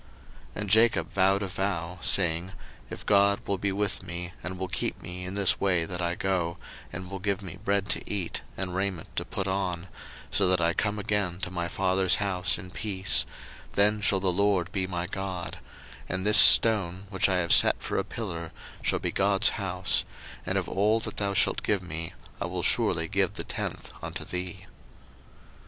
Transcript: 01:028:020 And Jacob vowed a vow, saying, If God will be with me, and will keep me in this way that I go, and will give me bread to eat, and raiment to put on, 01:028:021 So that I come again to my father's house in peace; then shall the LORD be my God: 01:028:022 And this stone, which I have set for a pillar, shall be God's house: and of all that thou shalt give me I will surely give the tenth unto thee.